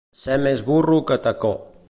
Ser més burro que Tacó.